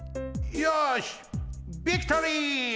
よしビクトリー！